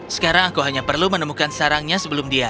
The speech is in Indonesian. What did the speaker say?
sekarang aku hanya perlu menemukan sarangnya sebelum dia